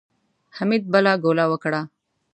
حميد بله ګوله وکړه.